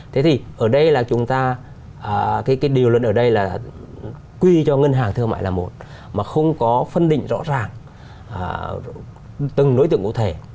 thế thì ở đây là chúng ta cái điều luật ở đây là quy cho ngân hàng thương mại là một mà không có phân định rõ ràng từng đối tượng cụ thể